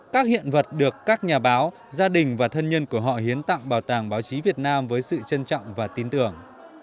các hiện vật được các nhà báo gia đình và thân nhân của họ hiến tặng bảo tàng báo chí việt nam với sự trân trọng và tin tưởng